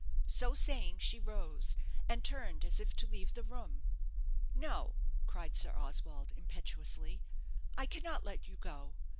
So saying, she rose, and turned as if to leave the room. "No!" cried Sir Oswald, impetuously; "I cannot let you go.